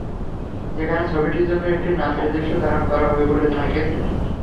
যেখানে ছবিটির জন্য একটি নাচের দৃশ্য ধারণ করা হবে বলে জানা গেছে।